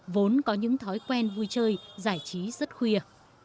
vốn có những thói quen vui chơi giải trí rất khuya